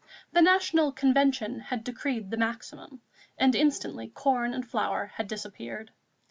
The National Convention had decreed the maximum, and instantly corn and flour had disappeared.